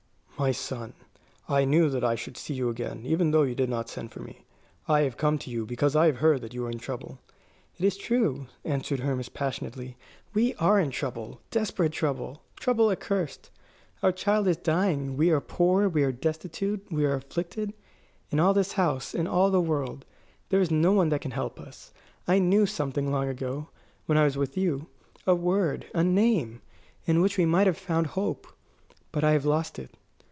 "My son, I knew that I should see you again, even though you did not send for me. I have come to you because I have heard that you are in trouble." "It is true," answered Hermas, passionately; "we are in trouble, desperate trouble, trouble accursed. Our child is dying. We are poor, we are destitute, we are afflicted. In all this house, in all the world, there is no one that can help us. I knew something long ago, when I was with you, a word, a name, in which we might have found hope. But I have lost it.